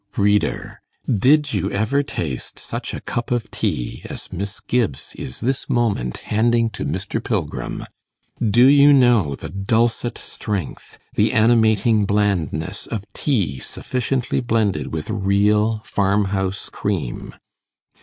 Reader! did you ever taste such a cup of tea as Miss Gibbs is this moment handing to Mr. Pilgrim? Do you know the dulcet strength, the animating blandness of tea sufficiently blended with real farmhouse cream?